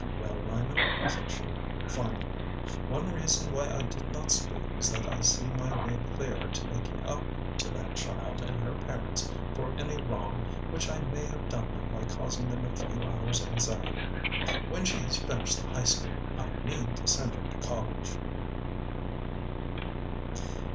"Well, Lyman," said she, finally, "one reason why I did not speak was that I see my way clear to making up to that child and her parents for any wrong which I may have done them by causing them a few hours' anxiety. When she has finished the high school I mean to send her to college."